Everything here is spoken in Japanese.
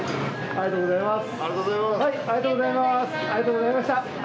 ありがとうございます。